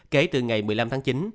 kể từ ngày một mươi năm tháng chín